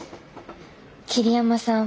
桐山さん